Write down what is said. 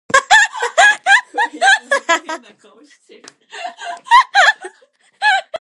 Dravidology is the separate branch dedicated to the Dravidian languages of South India.